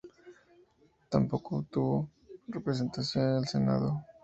Tampoco obtuvo representación en el Senado.